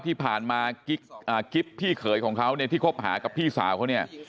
ที่ผ่านมากิ๊บพี่เขยของเขาเนี่ยที่คบหากับพี่สาวเขาเนี่ย